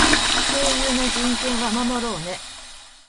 声優の人権は守ろうね。